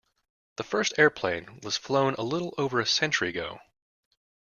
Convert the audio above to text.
The first airplane was flown a little over a century ago.